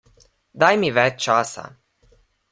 Daj mi več časa.